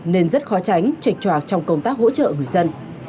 nên rất khó tránh trệch tròa trong công tác hỗ trợ người dân